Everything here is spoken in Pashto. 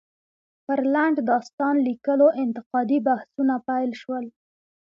پر لنډ داستان ليکلو انتقادي بحثونه پيل شول.